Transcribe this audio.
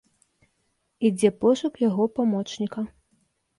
Ідзе пошук яго памочніка.